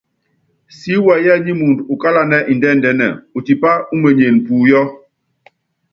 Si wɛyí nyi muundɔ ukálanɛ́ ndɛ́ndɛ́nɛ, utipá umenyene puyɔ́.